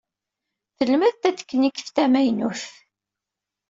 Telmed tateknit tamaynut.